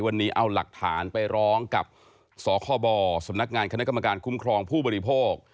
วันนี้เอาหลักฐานไปร้องกับสคบสำนักงานคณะกรรมการคุ้มครองผู้บริโภค